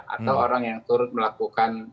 atau orang yang turut melakukan